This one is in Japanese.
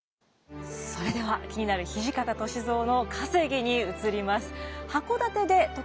それでは気になる土方歳三の稼ぎに移ります。